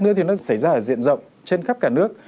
mưa thì nó xảy ra ở diện rộng trên khắp cả nước